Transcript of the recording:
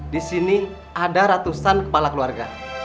di sini ada ratusan kepala keluarga